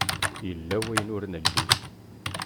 Yella wayen ur nelli.